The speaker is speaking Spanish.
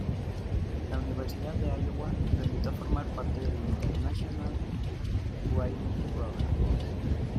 La Universidad de Iowa lo invitó a formar parte del Internacional Writing Program.